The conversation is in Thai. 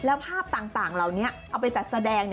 แล้วภาพต่างเหล่านี้เอาไปจัดแสดง